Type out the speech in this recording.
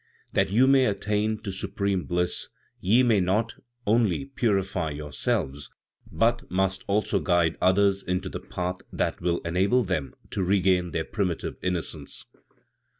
"That you may attain to supreme bliss ye must not only purify yourselves, but must also guide others into the path that will enable them to regain their primitive innocence."